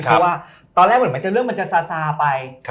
เพราะว่าตอนแรกเหมือนเรื่องมันจะซาซาไป